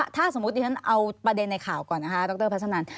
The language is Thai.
ถ้าสมมุติดิฉันเอาประเด็นในข่าวก่อนนะคะดรพัชนัน